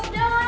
ya udah lah